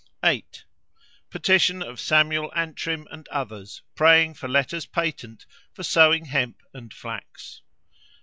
"8. Petition of Samuel Antrim and others, praying for letters patent for sowing hemp and flax.